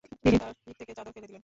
তিনি তাঁর পিঠ থেকে চাদর ফেলে দিলেন।